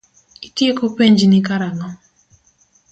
Itieko penjni karang'o?